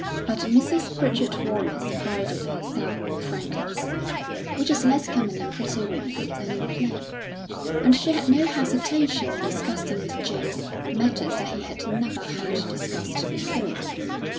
But Mrs. Pritchard Wallace prided herself on frankness, which is less common in pretty women than in plain; and she had no hesitation in discussing with James matters that he had never heard discussed before.